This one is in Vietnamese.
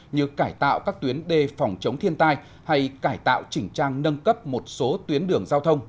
như cải tạo các tuyến đê phòng chống thiên tai hay cải tạo chỉnh trang nâng cấp một số tuyến đường giao thông